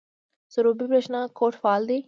سروبي بریښنا کوټ فعال دی؟